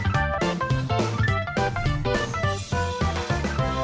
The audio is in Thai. รับทราบด้วยโปรดสติดตามตอนต่อไป